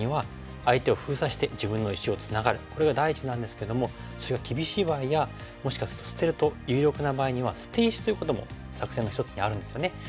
まずこれが第一なんですけどもそれが厳しい場合やもしかすると捨てると有力な場合には捨て石ということも作戦の一つにあるんですよね。